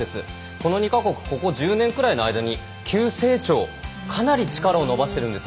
ここ１０年ぐらいの間に急成長、かなり力を伸ばしているんです。